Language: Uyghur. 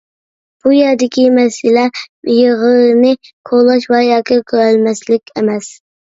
بۇ يەردىكى مەسىلە يېغىرنى كولاش ۋە ياكى كۆرەلمەسلىك ئەمەس.